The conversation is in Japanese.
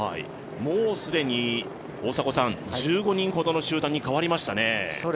もうすでに１５人ほどの集団に変わりましたね。